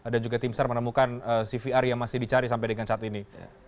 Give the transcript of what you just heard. dan juga timstar menemukan cvr yang masih dicari sampai dengan saat ini